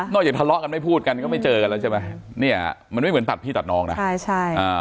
นอกจากทะเลาะกันไม่พูดกันก็ไม่เจอกันแล้วใช่ไหมมันไม่เหมือนตัดพี่ตัดน้องนะ